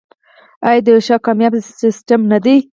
آیا د یو ښه او کامیاب سیستم نه دی؟